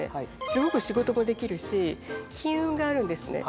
すごく仕事もできるし金運があるんですね